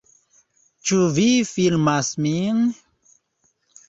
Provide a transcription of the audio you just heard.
Ĉu vi filmas min?